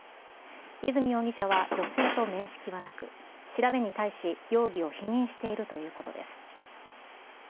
和泉容疑者は女性と面識はなく、調べに対し、容疑を否認しているということです。